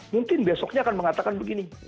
mungkin besoknya akan mengatakan begini